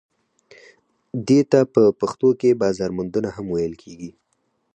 دې ته په پښتو کې بازار موندنه هم ویل کیږي.